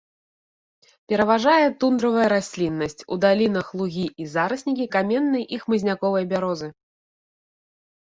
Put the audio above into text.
Пераважае тундравая расліннасць, у далінах лугі і зараснікі каменнай і хмызняковай бярозы.